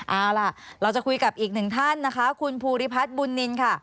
เอาล่ะเราจะคุยกับอีกหนึ่งท่านนะคะคุณภูริพัฒน์บุญนินค่ะ